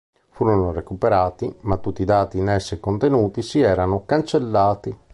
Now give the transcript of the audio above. Furono recuperati, ma tutti i dati in essi contenuti si erano cancellati.